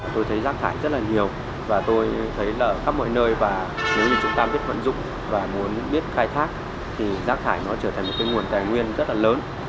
tôi thấy rác thải rất là nhiều và tôi thấy là khắp mọi nơi và nếu như chúng ta biết vận dụng và muốn biết khai thác thì rác thải nó trở thành một cái nguồn tài nguyên rất là lớn